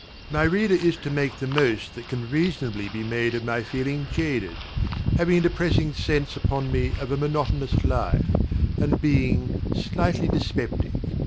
My reader is to make the most that can be reasonably made of my feeling jaded, having a depressing sense upon me of a monotonous life, and being 'slightly dyspeptic'.